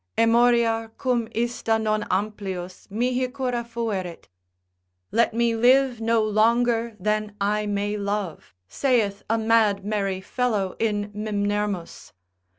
Emoriar cum ista non amplius mihi cura fuerit, let me live no longer than I may love, saith a mad merry fellow in Mimnermus.